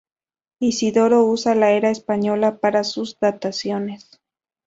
Isidoro usa la era española para sus dataciones.